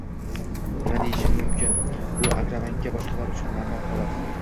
: Nima deyishim mumkin, bu Agrobankda boshqalar uchun normal holat